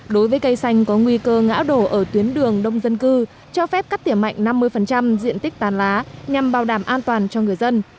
đối với cây xanh có nguy cơ ngã đổ ở tuyến đường đông dân cư cho phép cắt tỉa mạnh năm mươi diện tích tàn lá nhằm bảo đảm an toàn cho người dân